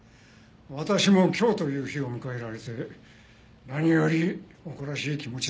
私も今日という日を迎えられて何より誇らしい気持ちだ。